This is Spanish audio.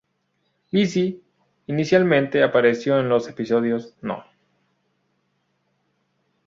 Lizzy inicialmente apareció en los episodios no.